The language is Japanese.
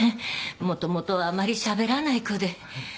もともとあまりしゃべらない子で。